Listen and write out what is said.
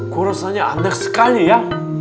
kurusannya anak sekali ya